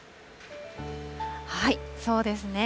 そうですね。